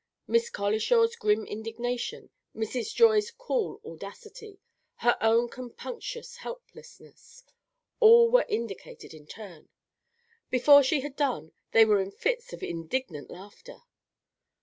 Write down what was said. Miss Colishaw's grim indignation, Mrs. Joy's cool audacity, her own compunctious helplessness, all were indicated in turn. Before she had done, they were in fits of indignant laughter.